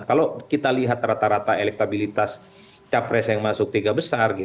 kalau kita lihat rata rata elektabilitas capres yang masuk tiga besar